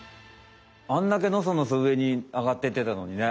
あんだけのそのそ上にあがっていってたのにね。